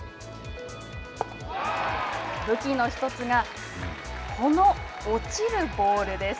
武器の１つがこの落ちるボールです。